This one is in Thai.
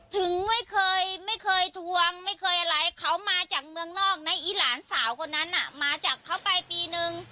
ถึงไม่เคยทวงไม่เคยอะไร